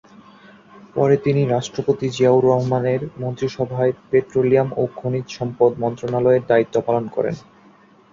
পরে তিনি রাষ্ট্রপতি জিয়াউর রহমানের মন্ত্রিসভায় পেট্রোলিয়াম ও খনিজ সম্পদ মন্ত্রণালয়ের দায়িত্ব পালন করেন।